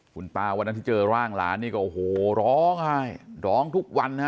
คุณตาวันนั้นที่เจอร่างหลานนี่ก็โอ้โหร้องไห้ร้องทุกวันนะฮะ